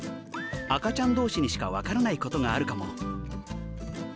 赤ちゃん同士にしか分からないことがあるかも。